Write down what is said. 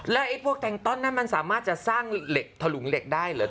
แล้วไอ้พวกแงงต้อนนั้นมันสามารถจะสร้างเหล็กถลุงเหล็กได้เหรอ